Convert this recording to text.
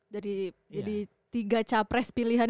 jadi tiga capres pilihan